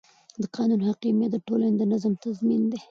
د قانون حاکمیت د ټولنې د نظم تضمین دی